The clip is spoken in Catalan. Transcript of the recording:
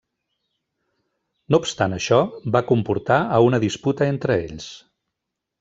No obstant això, va comportar a una disputa entre ells.